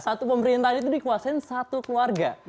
satu pemerintahan itu dikuasain satu keluarga